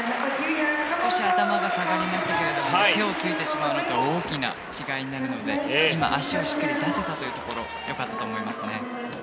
少し頭が下がりましたが手をついてしまうのと大きな違いになるので今、足をしっかり出せたというところは良かったと思います。